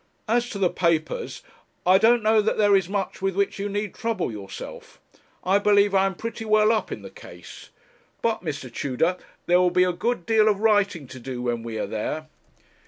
As to the papers, I don't know that there is much with which you need trouble yourself. I believe I am pretty well up in the case. But, Mr. Tudor, there will be a good deal of writing to do when we are there.'